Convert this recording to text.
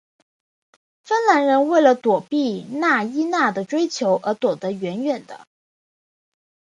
芬兰人为了躲避纳伊娜的追求而躲得远远的。